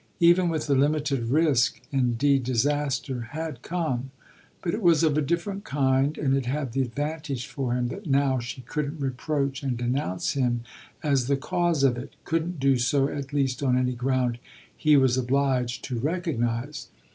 Even with the limited risk indeed disaster had come; but it was of a different kind and it had the advantage for him that now she couldn't reproach and denounce him as the cause of it couldn't do so at least on any ground he was obliged to recognise.